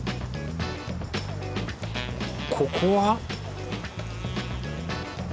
ここは？